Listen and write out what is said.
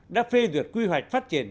đã phê duyệt quy hoạch phát triển